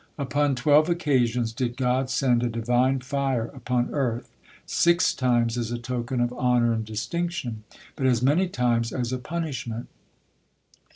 Upon twelve occasions did God send a Divine fire upon earth, six times as a token of honor and distinction, but as many times as a punishment.